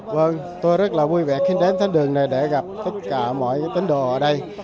vâng tôi rất là vui vẻ khi đến tuyến đường này để gặp tất cả mọi tín đồ ở đây